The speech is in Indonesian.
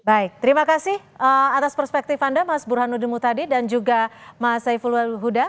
baik terima kasih atas perspektif anda mas burhanuddin mutadi dan juga mas saiful huda